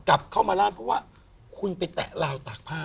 กลับเข้ามาร่างเพราะว่าคุณไปแตะลาวตากผ้า